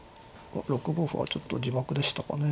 ６五歩はちょっと自爆でしたかね。